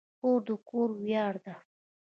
خور د کور ویاړ ده.